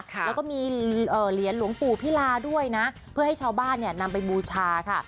แล้วก็มีเหรียญหลวงปู่พิลาด้วยนะเพื่อให้ชาวบ้านเนี่ยนำไปบูชาค่ะ